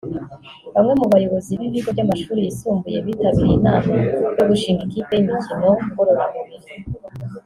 Bamwe mu bayobozi b’ibigo by’amashuri yisumbuye bitabiriye inama yo gushinga ikipe y’imikino ngororamubiri